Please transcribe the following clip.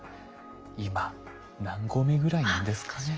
今何合目ぐらいなんですかね。